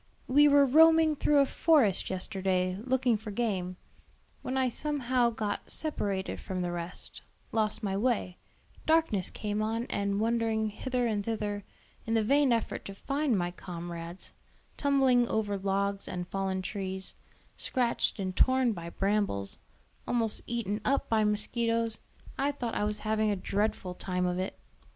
We were roaming through a forest yesterday, looking for game, when I somehow got separated from the rest, lost my way, darkness came on, and wondering hither and thither in the vain effort to find my comrades, tumbling over logs and fallen trees, scratched and torn by brambles, almost eaten up by mosquitos, I thought I was having a dreadful time of it.